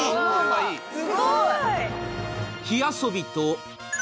すごい！